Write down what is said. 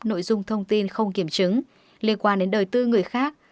nội dung thông tin không kiểm chứng liên quan đến đời tư người khác